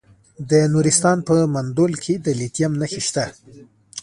د نورستان په مندول کې د لیتیم نښې شته.